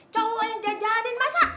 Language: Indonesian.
cowok yang jajanin masa